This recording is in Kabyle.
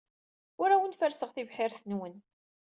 Ur awen-ferrseɣ tibḥirt-nwen.